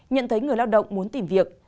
nhận thấy người lao động muốn tìm việc